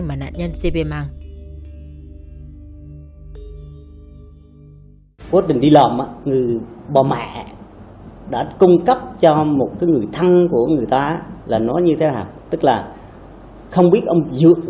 mà nạn nhân giê bê mang